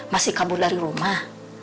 masih kabur dari rumah